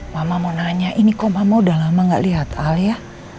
mama mau nanya ini kok mama udah lama gak lihat al ya